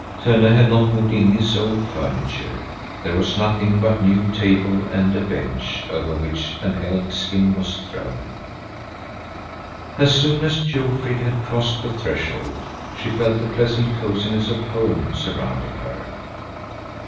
Tönne had not moved in his old furniture. There was nothing but a new table and a bench, over which an elk skin was thrown. As soon as Jofrid had crossed the threshold, she felt the pleasant cosiness of home surrounding her.